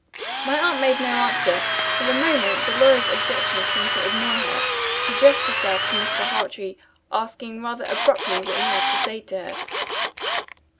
My aunt made no answer. For the moment, the lawyer's objections seemed to annoy her. She addressed herself to Mr. Hartrey; asking rather abruptly what he had to say to her.